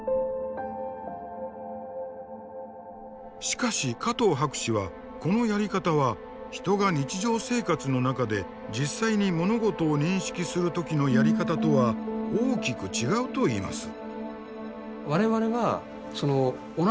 しかし加藤博士はこのやり方は人が日常生活の中で実際に物事を認識する時のやり方とは大きく違うといいます。